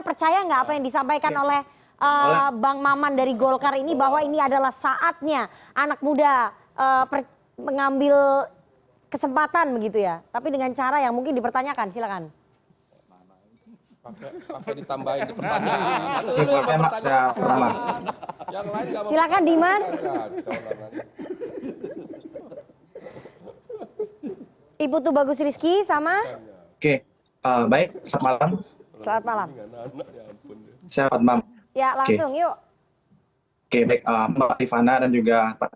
pertama saya ingin menyatakan bahwasannya memang hari ini kita lihat